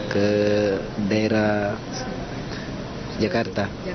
ke daerah jakarta